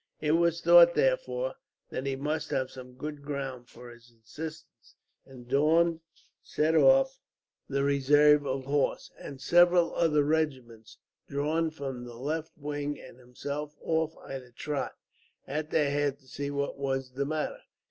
It was thought, therefore, that he must have some good ground for his insistence; and Daun sent off the reserve of horse, and several other regiments drawn from the left wing, and himself went off at a trot, at their head, to see what was the matter.